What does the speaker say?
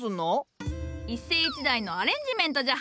一世一代のアレンジメントじゃ。